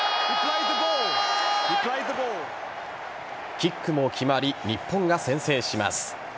キックも決まり日本が先制します。